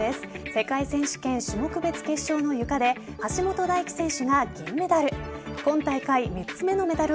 世界選手権種目別決勝のゆかで橋本大輝選手が銀メダル。